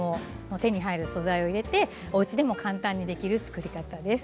手に入る素材を入れて、おうちでも簡単にできる作り方です。